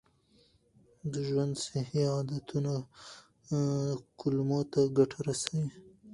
د ژوند صحي عادتونه کولمو ته ګټه رسوي.